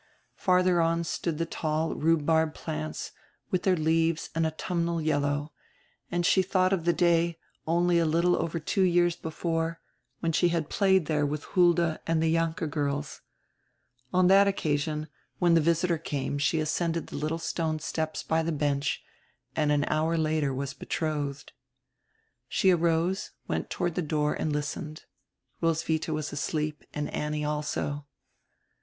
Earther on stood the tall rhu barb plants with their leaves an autumnal yellow, and she thought of the day, only a little over two years before, when she had played there with Hulda and the Jalinke girls. On that occasion, when the visitor came she ascended the little stone steps by the bench and an hour later was betrothed. She arose, went toward the door, and listened. Roswitha was asleep and Annie also.